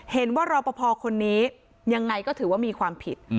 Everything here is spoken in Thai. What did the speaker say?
รอปภคนนี้ยังไงก็ถือว่ามีความผิด